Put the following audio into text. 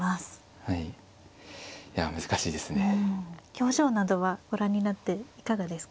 表情などはご覧になっていかがですか。